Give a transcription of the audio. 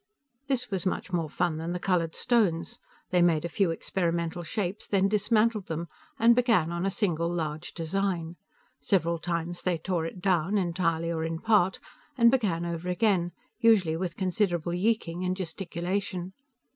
This was much more fun than the colored stones. They made a few experimental shapes, then dismantled them and began on a single large design. Several times they tore it down, entirely or in part, and began over again, usually with considerable yeeking and gesticulation.